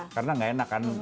karena gak enak kan